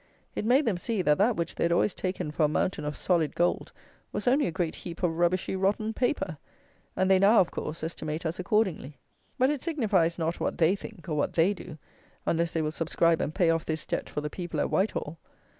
It made them see that that which they had always taken for a mountain of solid gold was only a great heap of rubbishy, rotten paper! And they now, of course, estimate us accordingly. But it signifies not what they think, or what they do; unless they will subscribe and pay off this Debt for the people at Whitehall.